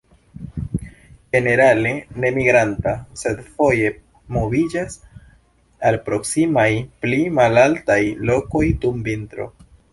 Ĝenerale ne migranta, sed foje moviĝas al proksimaj pli malaltaj lokoj dum vintro.